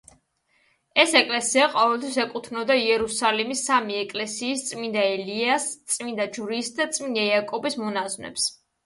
ეს ეკლესია ყოველთვის ეკუთვნოდა იერუსალიმის სამი ეკლესიის—წმინდა ელიას, წმინდა ჯვრის და წმინდა იაკობის—მონაზვნებს.